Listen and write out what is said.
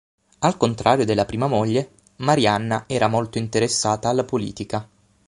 Al contrario della prima moglie, Marianna era molto interessata alla politica.